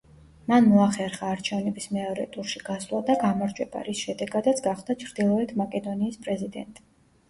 მან მოახერხა არჩევნების მეორე ტურში გასვლა და გამარჯვება, რის შედეგადაც გახდა ჩრდილოეთ მაკედონიის პრეზიდენტი.